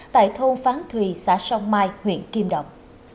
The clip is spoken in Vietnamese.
tại thôn phán thùy xã sông mai huyện kim động